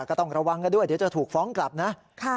ก็ต้องระวังกันด้วยเดี๋ยวจะถูกฟ้องกลับนะ